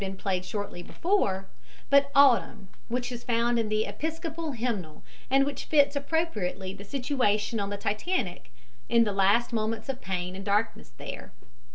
} played shortly before, but "Autumn," which is found in the Episcopal hymnal and which fits appropriately the situation on the Titanic in the last moments of pain and darkness there.